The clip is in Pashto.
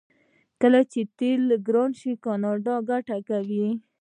کله چې تیل ګران شي کاناډا ګټه کوي.